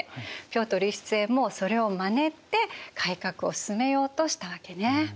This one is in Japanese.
ピョートル１世もそれをまねて改革を進めようとしたわけね。